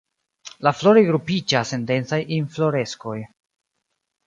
La floroj grupiĝas en densaj infloreskoj.